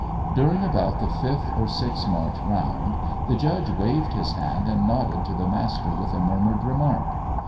During about the fifth or sixth march round the Judge waved his hand and nodded to the Master with a murmured remark.